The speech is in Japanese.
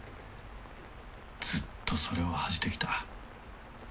ずっとそれを恥じてきた。